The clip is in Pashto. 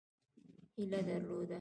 هیله درلوده.